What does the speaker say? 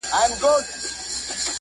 څو مې چې ښکل نه کړې